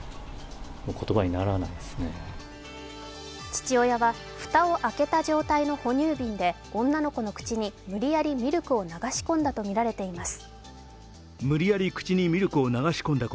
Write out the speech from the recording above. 父親は蓋を開けた状態の哺乳瓶で女の子の口に無理やりミルクを流し込んだとみられています。